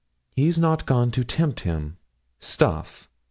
He's not gone to tempt him stuff!